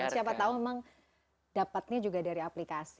siapa tahu memang dapatnya juga dari aplikasi